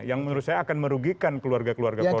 yang menurut saya akan merugikan keluarga keluarga korban